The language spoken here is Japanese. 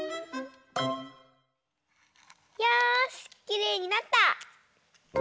きれいになった！